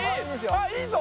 あっいいぞ！